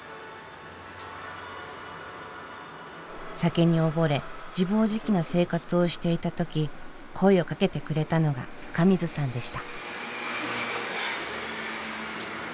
酒に溺れ自暴自棄な生活をしていた時声をかけてくれたのが深水さんでした。